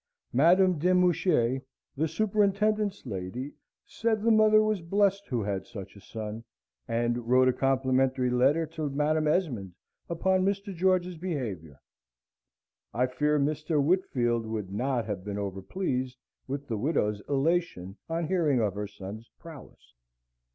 Madame de Mouchy, the superintendent's lady, said the mother was blest who had such a son, and wrote a complimentary letter to Madam Esmond upon Mr. George's behaviour. I fear, Mr. Whitfield would not have been over pleased with the widow's elation on hearing of her son's prowess.